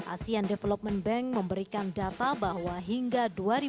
asean development bank memberikan data bahwa hingga dua ribu dua puluh